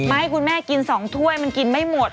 คุณแม่กิน๒ถ้วยมันกินไม่หมด